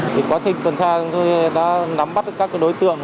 quá trình tuần tra chúng tôi đã nắm bắt các đối tượng